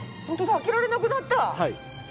開けられなくなった。